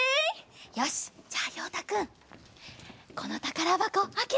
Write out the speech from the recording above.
よしじゃあようたくんこのたからばこあけて。